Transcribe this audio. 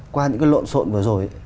qua những cái lộn xộn vừa rồi